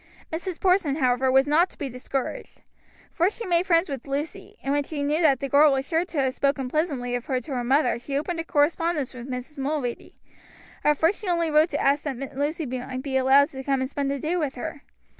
Mrs. Porson, however, was not to be discouraged. First she made friends with Lucy, and when she knew that the girl was sure to have spoken pleasantly of her to her mother she opened a correspondence with Mrs. Mulready. At first she only wrote to ask that Lucy might be allowed to come and spend the day with her.